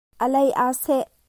A lei aa seh.